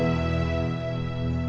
ceng eh tunggu